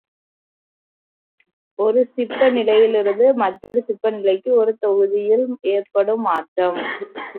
ஒரு சிப்ப நிலையிலிருந்து மற்றொரு சிப்ப நிலைக்கு ஒரு தொகுதியில் ஏற்படும் மாற்றம்.